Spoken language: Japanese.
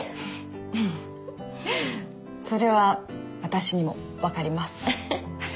それは私にもわかります。